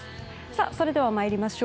それでは参りましょう。